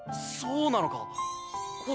そうなのか？